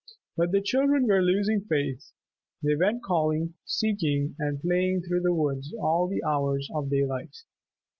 But the children were losing faith. They went calling, seeking and playing through the woods all the hours of daylight.